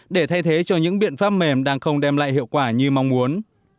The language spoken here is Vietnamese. để thay thế cho những biện pháp mềm đang không đem lại hiệu quả như mong muốn